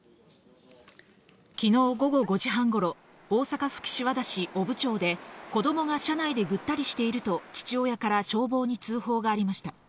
昨日午後５時半頃、大阪府岸和田市尾生町で子供が車内でぐったりしていると、父親から消防に通報がありました。